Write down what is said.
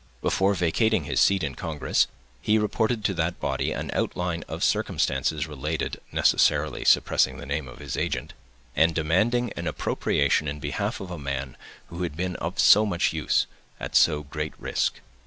Before vacating his seat in Congress, he reported to that body an outline of the circumstances related, necessarily suppressing the name of his agent, and demanding an appropriation in behalf of a man who had been of so much use, at so great risk.